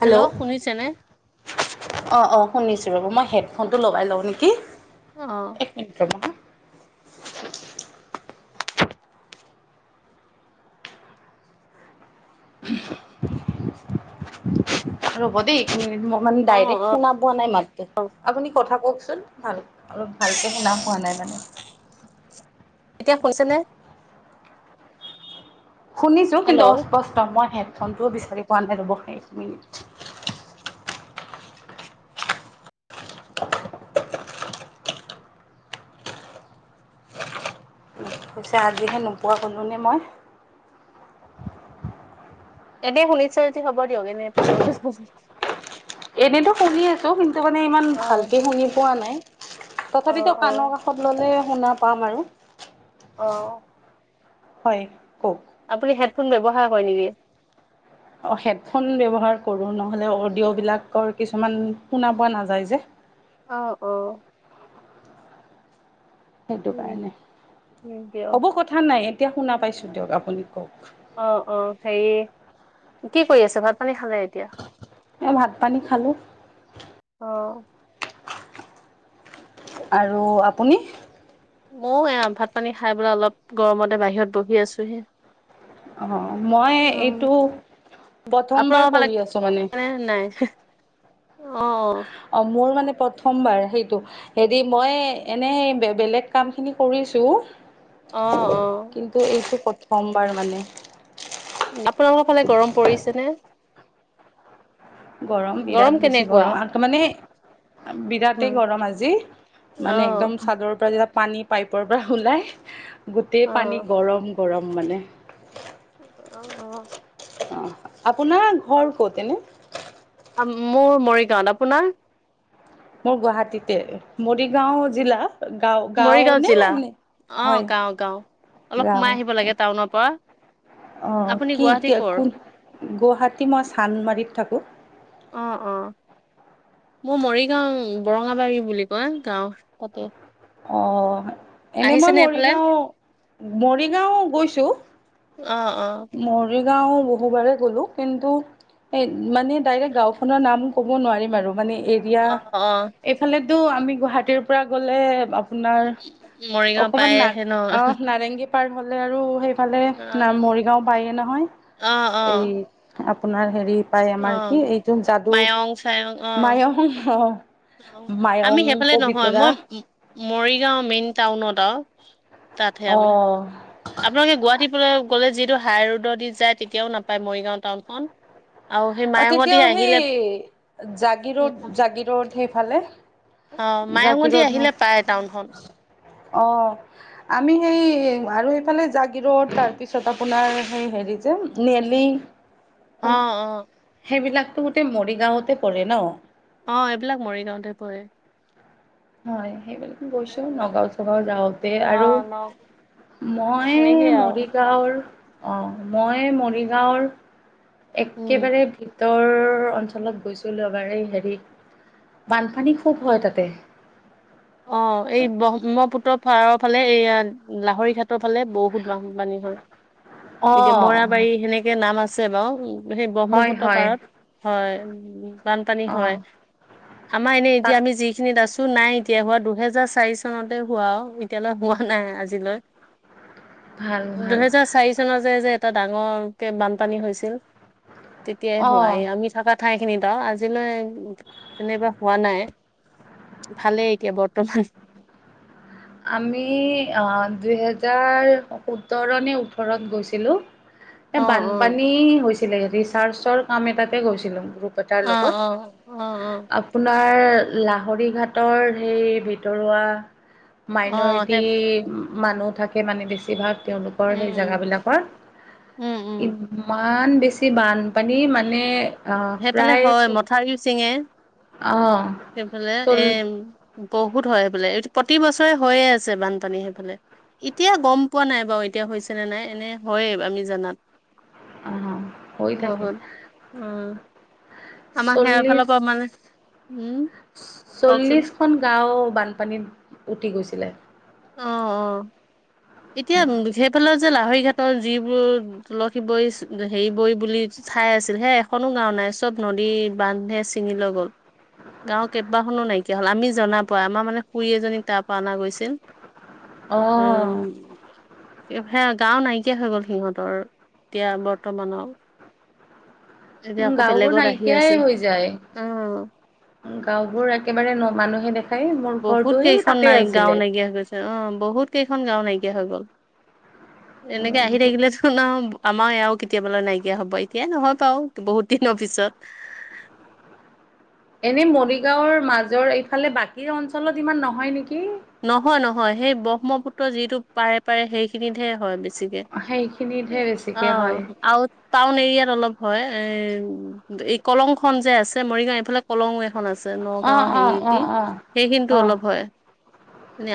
Hello অঁ, অঁ, শুনিছোঁ ৰ'ব, মই হেডফোনটো লগাই লওঁ নেকি। অ'। এক মিনিট ৰব ৰ'ব দেই, মই মানে ডাইৰেক্ট অ', শুনা পোৱা নাই মাত অ', আপুনি কথা কওঁকচোন, ভাল, অলপ ভালকে শুনা পোৱা নাই মানে। এতিয়া হৈছে নে? শুনিছোঁ, কিন্তু হেল্ল' অস্পষ্ট, মই হেডফোনটোও বিচাৰি পোৱা নাই ৰ'ব, এক মিনিট। পিছে আজিহে নোপোৱা হ'লোনে মই। এনেই শুনিছ যদি হ'ব দিয়ক, এনে পাতক [unintelligible] এনেতো শুনিয়ে আছো, কিন্তু মানে ইমান অ', ভালকে শুনি পোৱা নাই, তথাপিতো অ', কাণৰ অ'। কাষত ল'লে শুনা পাম আৰু। অঁ। হয়। কওক আপুনি হেডফোন ব্যৱহাৰ কৰে নেকি? অ', হেডফোন ব্যৱহাৰ কৰোঁ, নহ'লে অডিঅ'বিলাকৰ কিছুমান শুনা পোৱা নাযায় যে। অ', অ'। সেইটো উম, কাৰণে, উম, দিয়ক। হ'ব কথা নাই এতিয়া শুনা পাইছোঁ দিয়ক, আপুনি কওঁক। অ', অ', হেৰি কি কৰি আছে? ভাত পানী খালে এতিয়া এ, ভাত পানী খালো। অ'। আৰু আপুনি? ময়ো এয়া ভাত পানী খাই পেলাই অলপ, গৰমতে বাহিৰত বহি আছোহি। অ', মই অ', এইটো, আপোনালোকৰ প্ৰথমবাৰ ফালে কৰি আছোঁ মানে। নে নাই অ'। অ', মোৰ মানে প্ৰথমবাৰ সেইটো। হেৰি মই, এনে বে, বেলেগ কাম খিনি কৰিছোঁ অ' অ'। এ, এইটো প্ৰথমবাৰ মানে। আপোনালোকৰ ফালে গৰম পৰিছে নে? গৰম, বিৰাট বেছি গৰম, আৰু তাৰ মানে বিৰাটেই গৰম আজি, মানে অ', একদম চাদৰৰ পৰা পানী পাইপৰ পৰা ওলাই, গোটেই পানী অ', গৰম গৰম মানে। অ', অ'। অ' আপোনাৰ ঘৰ ক'ত এনে? মোৰ মৰিগাঁৱত, আপোনাৰ? মোৰ গুৱাহাটীতে, মৰিগাঁও জিলা গাঁও গাঁও মৰিগাঁও নে জিলা নে হয় অ' গাওঁ, গাওঁ অলপ গাঁও সোমাই আহিব লাগে টাউনৰ পৰা। অ', আপুনি কি গুৱাহাটী ক'ৰ? কোন, গুৱাহাটী মই চান্দমাৰীত থাকোঁ। অ', অ', মোৰ মৰিগাঁও, বৰঙাবাৰী বুলি কয়, গাওঁ তাতে। অঁ। এনেই মই আহিছেনে এইফালে? মৰিগাঁও, মৰিগাঁও গৈছোঁ। অ', অ', মৰিগাঁও বহুবাৰে গ'লোঁ, কিন্তু এই মানে ডাইৰেক্ট গাঁওখনৰ নাম ক'ব নোৱাৰিম আৰু, মানে এৰিয়া অ', অ', এইফালেটো আমি গুৱাহাটীৰ পৰা গ'লে আপোনাৰ, মৰিগাঁও পাই অকমান না, আহে ন? অ' নাৰেংগী পাৰ হ'লে আৰু, সেইফালে না, অ', মৰিগাঁও পায়ে নহয়, অ', এই অ', আপোনাৰ হেৰি পায়, আমাৰ কি অ', এইটো যাদু মায়ং চায়ং অ', মায়ং। অ', মায়ং আমি সেইফালে নহয়, পবিতৰা মই মৰিগাঁও মেইন টাউনত আৰু। তাতহে অ আমি আপোনালোকে গুৱাহাটীলৈ গ'লে যিতো হাই ৰোড দি যায় তেতিয়াও নাপায় মৰিগাঁও টাউনখন? আৰু সেই অ' মায়ঙতি তেতিয়াও সেই আহিলে উম জাগীৰোদ উম জাগীৰোদ সেইফালে অ' মায়ঙে জাগি দি ৰোড আহিলে হয় পায় টাউনখন। অ'। আমি সেই আৰু এইফালে জাগীৰোদ তাৰপিছত আপোনাৰ সেই হেৰি যে নেলী অ', অ'। সেইবিলাকতো গোটেই মৰিগাঁওতে পৰে ন? অ' এইবিলাক মৰিগাঁওতে পৰে। হয় সেইবিলাকো গৈছো নগাঁও চগাঁও যাওঁতে অ আৰু। ন মই সেনেকেই আৰু মৰিগাঁৱৰ অঁ মই মৰিগাঁৱৰ উম। একেবাৰে ভিতৰ অঞ্চলত গৈছিলো এবাৰ এই হেৰি, বানপানী খুব হয় তাতে। অ' এই ব্ৰহ্মপুত্ৰ পাৰত ফালে এইয়া লাহৰি ঘাটৰ ফালে বহুত বান বানী হয়। এতিয়া অ', মৈৰাবাৰী সেনেকে নাম আছে বাৰু, সেই হয় ব্ৰহ্মপুত্ৰ হয় পাৰত। হয় বানপানী হয়। অ', আমাৰ এনেই তাত এতিয়া আমি যিখিনিত আছো নাই। এতিয়া হোৱা দুহেজাৰ চাৰি চনতে হোৱা। এতিয়ালৈ হোৱা নাই আজিলৈ। ভাল ভাল দুহেজাৰ চাৰি চনৰ যে যে এটা ডাঙৰকে বানপানী হৈছিল তেতিয়াই হোৱা। অ', আমি থকা ঠাই খিনিত আৰু আজিলৈ তেনেকুৱা হোৱা নাই। ভালেই এতিয়া বৰ্তমান। আমি দুহেজাৰ সোতৰ নে ওঠৰত গৈছিলোঁ। অ এ অ বানপানী হৈছিলে, ৰিচাৰ্চৰ কাম এটাতে গৈছিলো। গ্ৰ প এটাৰ অ অ অ লগত। অ আপোনাৰ লাহৰি ঘাটৰ সেই ভিতৰুৱা অ মাইনৰিটি সেই মানুহ থাকে মানে বেছিভাগ। তেওঁলোকৰ সেই উম জেগাবিলাকৰ উম উম ইমান বেছি ছি বানপানী মানে আহ সেইফালে প্ৰায় হয় চব মথাউৰীও চিঙে, আহ সেইফালে চল এম বহুত হয় সেইফালে, এইটো প্ৰতি বছৰে হৈয়ে আছে বানপানী সেইফালে। এতিয়া গ'ম পোৱা নাই বাৰু এতিয়া হৈছে নে নাই, এনে হয়ে আমি জানাত। আহ হৈ থাকে বহুত উম [unintelligible] আমাক চল্লিশ সেৰাৰফালৰ পৰা মানে, উম কওঁকচোন। এখন গাঁও বানপানীত উঠি গৈছিলে। অ', অ' এতিয়া সেইফালে যে লাহৰি ঘাটৰ যিবোৰ তুলসী বৰী হেৰি বৰী বুলি ঠাই আছিল। হে এখনো গাও নাই চব নদী বান্ধে ছিল চিঙি লৈ গ'ল। গাঁৱৰ কেইবাখনো নাইকিয়া হ'ল, আমি জনা পা আমাৰ মানে খুৰী এজনীক তাৰ পৰা অনা গৈছিল। অহ উম। সেয়া গাও নাইকিয়া হৈ গ'ল সিহঁতৰ এতিয়া বৰ্তমানৰ। এতিয়া আকৌ গাঁওবোৰ বেলেগত আহি নাইকিয়াই আছে। হৈ যায় অ' গাঁওবোৰ একেবাৰে ন মানুহে দেখাই মোৰ বহুত ঘৰটো সেই কেইখন তাতে নাই গাঁও আছিলে। নাইকিয়া হৈ গৈছে অ' বহুত কেইখন গাঁও নাইকিয়া হৈ গ'ল। এনেকে আহি থাকিলে ন আমাৰ এয়াও কেতিয়াবালে নাইকিয়া হ'ব, এতিয়াই নহয় বাৰু বহুত দিনৰ পিছত। এনে মৰিগাঁওৰ মাজৰ এইফালে বাকী অঞ্চলত ইমান নহয় নেকি? নহয় নহয় সেই ব্ৰহ্মপুত্ৰ যিটো পাৰে পাৰে সেইখিনিতহে হয় বেচিকে। সেইখিনিতহে বেছিকে হয় আৰু টাউন এৰিয়াত অলপ হয়, এ এই কলংখন যে আছে মৰিগাঁও এইফালে পলং এখন আছে, অ নগাঁও অ অ হেৰিয়েদি, অ সেইখিনিটো অ অলপ হয়।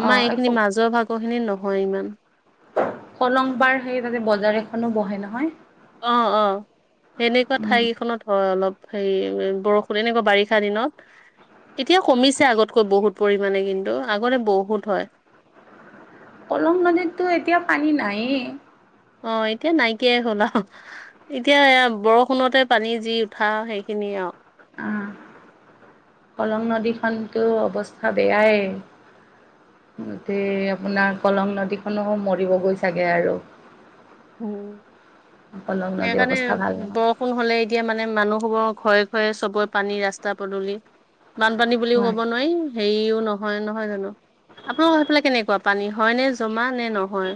আমাৰ অ', এই এইখিনি মাজৰ ভাগৰ খিনি নহয় ইমান। কলং পাৰ সেই তাতে, বজাৰ এখনো বহে নহয়। অ', অ', সেনেকুৱা ঠাই উম, কেইখনত হয় অলপ। হেৰি বৰষুণ, এনেকুৱা বাৰিষা দিনত। এতিয়া কমিছে আগতকৈ বহুত পৰিমাণে কিন্তু, আগতে বহুত হয়। কলং নদীতটো এতিয়া পানী নাইয়ে। অ ', এতিয়া নাইকিয়াই হ'ল আহ। এতিয়া বৰষুণতে পানী যি উঠা, সেইখিনিয়ে আৰু। অ', কলং নদীখনটো অৱস্থা বেয়াই। গোটেই আপোনাৰ, কলং নদীখনো মৰিবগৈ চাগে আৰু। উম, কলং নদীৰ সেইকাৰণে অৱস্থা ভাল নহয়। বৰষুণ হ'লে, এতিয়া মানে মানুহৰ হ'ব, ঘৰে ঘৰে চবৰে পানী, ৰাস্তা পদূলি। বানপানী বুলিও হয়। ক'ব নোৱাৰি, হেৰিও নহয় নহয় জানো, আপোনালোকৰ সেইফালে কেনেকুৱা? পানী হয়নে, জমা নে নহয়?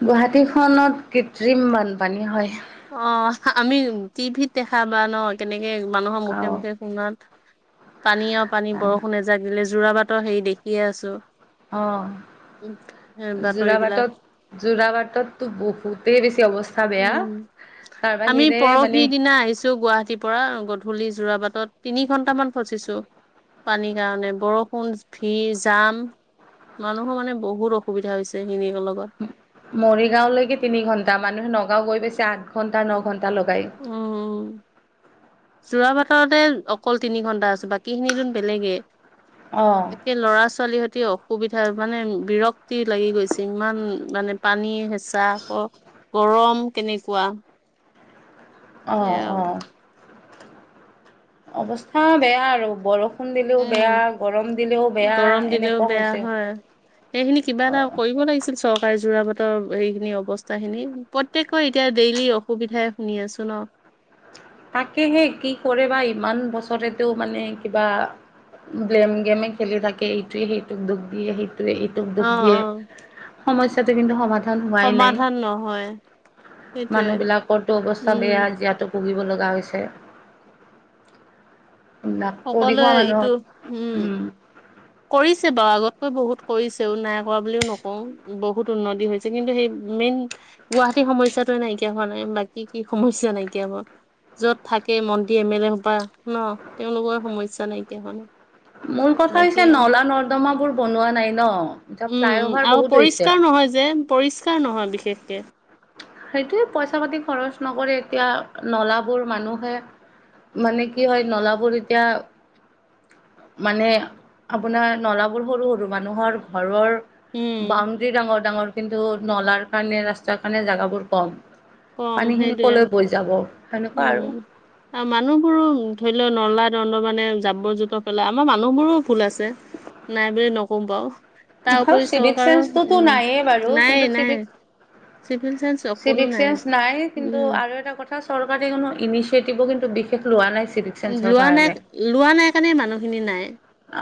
গুৱাহাটী খত কৃত্ৰিম বানপানী হয়। অ ', আমি টিভিত দেখা বা ন'। কেনেকে মানুহৰ মুখে, অ', মুখে শুনাত পানী আৰু পানী বৰষুণে জাগিলে জোৰাবাটৰ হেৰি দেখিয়ে আছোঁ। অ', বাতৰিবিলাক যোৰাবাটত যোৰাবাটতটো বহুতেই বেছি অৱস্থা বেয়া। উম, তাৰ আমি বাহিৰে পৰহি মানে দিনা আহিছোঁ, গুৱাহাটী পৰা গধূলি যোৰাবাটত, তিনি ঘন্টামান ফচিছোঁ। পানীৰ কাৰণে, বৰষুণ, ভিৰ জাম। মানুহৰ মানে বহুত অসুবিধা হৈছে, [unintelligible] লগত। মৰিগাঁওলৈকে তিনি ঘন্টা, মানুহে নগাঁও গৈ পাইছে আঠ ঘন্টা, ন ঘন্টা লগাই। উম। জোৰাবাটতে অকল তিনি ঘণ্টা আছে, বাকী খিনি টো বেলেগে। অঁ একে ল'ৰা ছোৱালীহঁতেও অসুবিধা, মানে বিৰক্তি লাগি গৈছে, ইমান মানে পানী হেঁচা গৰম কেনেকুৱা? অ', সেয়া অ'। অৱস্থা বেয়া আৰু, বৰষুণ ষুণ দিলেও উম বেয়া, গৰম দিলেও বেয়া, এনেকুৱা হৈছে। এইখিনি কিবা এটা কৰিব লাগিছিল, চৰকাৰে যোৰা বাটত। ৰ এইখিনি অৱস্থা খিনি, প্ৰত্যেকৰে এতিয়া ডেইলি অসুবিধাই শুনি আছোঁ ন'। তাকেহে কি কৰে বা, ইমান বছৰেতে মানে কিবা ব্লেম গেমে খেলি থাকে, এইটোৱে সেইটোক দুখ দিয়ে, সেই অ দুখ দিয়ে, অ সমস্যাটো কিন্তু সমাধান হোৱাই নাই, সমাধান নহয় সেইটোৱে মানুহ বিলাকৰটো অৱস্থা উম বেয়া, যিহেতু ভুগিব লগা হৈছে। না, কৰি সকলোৱে খোৱা ইটো মানুহৰ উম। কৰিছে বাৰু, আগতকৈ বহুত কৰিছেও নাই কৰা বুলিও নকওঁ, বহুত উন্নতি হৈছে কিন্তু, সেই মেইন গুৱাহাটীৰ সমস্যাটোৱে নাইকিয়া হোৱা নাই, বাকী কি সমস্যা নাইকিয়া হ'ব। য'ত থাকে মন্ত্ৰী এম এল এ সোপা ন', তেওঁলোকৰ সমস্যা নাইকিয়া হোৱা নাই। মূল কথা বাকী হৈছে আৰু নলা নৰ্দমাবোৰ বনোৱা নাই ন'। এতিয়া উম, ফ্লাই উম, অভাৰ আৰু বহুত হৈছে। পৰিষ্কাৰ নহয় যে, পৰিষ্কাৰ নহয় বিশেষকে। সেইটোৱে পইচা পাতি খৰচ নকৰে, এতিয়া নলাবোৰ মানুহে মানে কি হয়, নলাবোৰ এতিয়া মানে আপোনাৰ, নলাবোৰ সৰু, সৰু মানুহৰ ঘৰৰ উম বাউণ্ডৰী ডাঙৰ ডাঙৰ কিন্তু নলাৰ কাৰণে ৰাস্তাৰ কাৰণে জাগাবোৰ কম। কম পানীখিনি সেইটোৱে কলৈ বৈ যাব। সেনেকুৱা আৰু। উম। মানুহবোৰো ধৰি ল নলা নৰ্দমাতে মানে জাবৰ জোঁথৰ পেলাই আমাৰ মানুহবোৰো ভুল আছে। নাই বুলি নকওঁ বাৰু। তাৰ উপৰি চিভিক চৰকাৰৰ চেন্সটোতো উম নাইে বাৰু, নাই কিন্তু নাই চিভিক চিভিল চাইন্স অকনো চিভিক চেন্স নাই কিন্তু উম আৰু এটা কথা চৰকাৰে কোনো ইনিচিয়েটিভো কিন্তু বিশেষ লোৱা নাইছিল। লোৱা নাই লোৱা নাই কাৰণে মানুহখিনি নাই।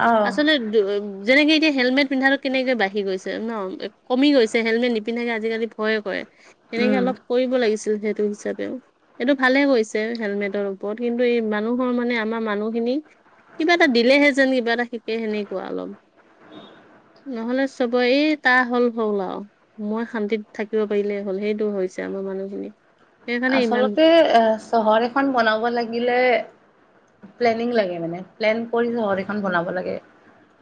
আহ আচলতে যেনেকে এতিয়া হেলমেট পিন্ধাটো কেনেকে বাঢ়ি গৈছে ন কমি গৈছে হেলমেট নিপিন্ধাকে আজিকালি ভয়ে কৰে। সেনেকে উম অলপ কৰিব লাগিছিল সেইটো হিচাপেও। এইটো ভালে কৰিছে হেলমেটৰ ওপৰত কিন্তু এই মানুহৰ মানে আমাৰ মানুহখিনিক কিবা এটা দিলেহে যেন কিবা এটা শিকে সেনেকুৱা অলপ। [inaudible] নহ'লে চবৰে তাৰ হ'ল হ'ল আৰু। মই শান্তিত থাকিব পাৰিলে হ'ল সেইটো হৈছে আমাৰ মানুহখিনি। সেইকাৰণে ইমান আচলতে এ চহৰ এখন বনাব লাগিলে প্লেনিং লাগে মানে প্লেন কৰি চহৰ এখন উম বনাব লাগে।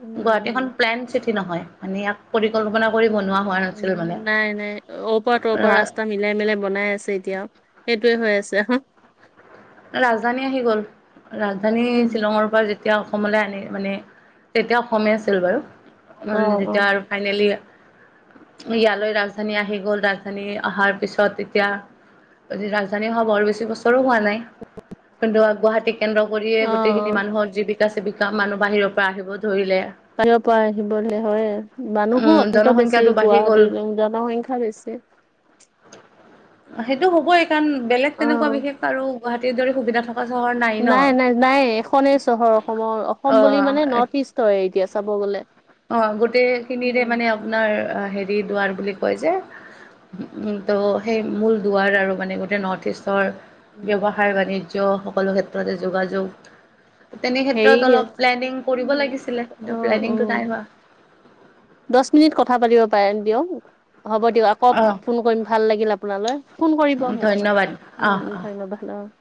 উম গুৱাহাটীখন উম প্লেন চিটি নহয় মানে ইয়াক পৰিকল্পনা কৰি বনোৱা হোৱা নাছিল মানে উম, নাই নাই অৰ পৰা তৰ ৰা পৰা ৰাস্তা মিলাই মিলাই বনাই আছে এতিয়াও সেইটোয়ে হৈ আছে। ৰাজধানী আহি গ'ল ৰাজধানী শ্বিলঙৰ পৰা যেত তিয়া অসমলৈ আনে মানে তেতিয়া অসমেই আছিল অ বাৰু অ যেতিয়া আৰু ফাইনেলি ইয়ালৈ ৰাজধানী আহি গ'ল ৰাজধানী অহাৰ পিছত তেতিয়া যি ৰাজধানী হোৱা বৰ বেছি বছৰো হোৱা নাই। কিন্তু গুৱাহাটী কেন্দ্ৰ অ কৰিয়েই গোটেইখিনি অ মানুহৰ জীৱিকা চীৱিকা মানুহ বাহিৰৰ পৰা আহিব ধৰিলে। বাহিৰৰ পৰা আহিব ধৰিলে হয়ে। মানুহো উম অত্যন্ত বেছি জনসংখ্যাটো বাঢ়ি গ'ল গুৱাহাটী জনসংখ্যা বেছি। সেইটো হ'বই কাৰণ বেলেগ অ তেনেকুৱা বিশেষ আৰু গুৱাহাটীৰ দৰে সুবিধা থকা চহৰ ন নাই নাই নাই এখনেই চহৰ অসমৰ অ অসম বুলি মানে নৰ্থ ই ষ্টৰে এতিয়া চাব গ'লে। অ', এইখিনিৰে উম মানে আপোনাৰ হেৰি দুৱাৰ বুলি কয় যে। ত' সেই মূল দুৱাৰ আৰু মানে গোটেই নৰ্থ ইষ্টৰ। উম, ব্যৱসায় বাণিজ্য সকলো ক্ষেত্ৰতে যোগাযোগ। তেনে ক্ষেত্ৰত হেৰি অলপ প্লেনিং কৰিব উম লাগিছিলে। কিন্তু অ' প্লেনিংটো উম নাই হোৱা। দহ মিনিট কথা পাতিব পাৰিম দিয়ক, হ'ব দিয়ক। আকৌ অ ফোন কৰিম ভাল লাগিল আপোনালৈ। ফোন কৰিব মোক, ধন্যবাদ উম অ উম অ। ধন্যবাদ অ'।